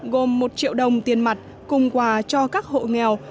gồm một triệu đồng tiền mặt cùng quà cho các hộ nghèo